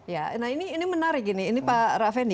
ya nah ini menarik ini pak raffendi